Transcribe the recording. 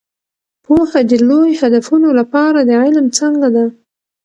پوهه د لوی هدفونو لپاره د علم څانګه ده.